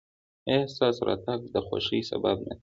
ایا ستاسو راتګ د خوښۍ سبب نه دی؟